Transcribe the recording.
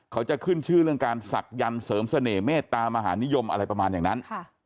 เขาจะขึ้นชื่อเรื่องการศักยันต์เสริมเสน่หมตามหานิยมอะไรประมาณอย่างนั้น